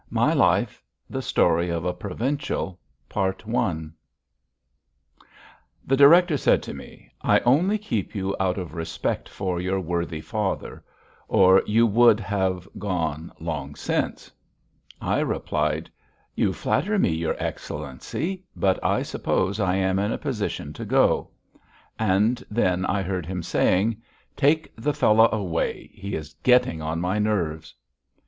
MY LIFE THE STORY OF A PROVINCIAL The director said to me: "I only keep you out of respect for your worthy father, or you would have gone long since." I replied: "You flatter me, your Excellency, but I suppose I am in a position to go." And then I heard him saying: "Take the fellow away, he is getting on my nerves."